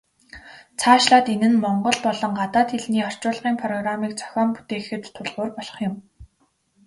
Цаашлаад энэ нь монгол болон гадаад хэлний орчуулгын программыг зохион бүтээхэд тулгуур болох юм.